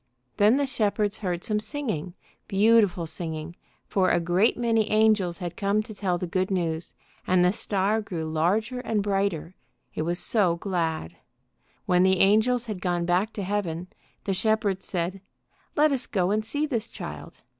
Then the shepherds heard some singing, beautiful singing, for a great many angels had come to tell the good news; and the star grew larger and brighter, it was so glad. When the angels had gone back to Heaven, the shepherds said, "Let us go and see this child."